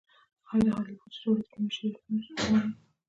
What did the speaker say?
آیا د هالیووډ ستوري د رومي شعرونه نه وايي؟